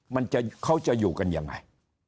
มันจะเขาจะอยู่กันอย่างไง